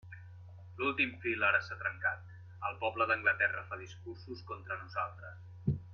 L'últim fil ara s'ha trencat, el poble d'Anglaterra fa discursos contra nosaltres.